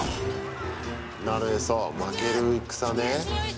なるへそ、負ける戦ね。